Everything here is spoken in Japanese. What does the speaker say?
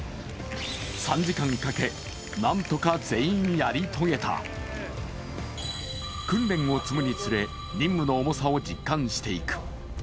３時間かけなんとか全員やり遂げた訓練を積むにつれ、任務の重さを実感していく。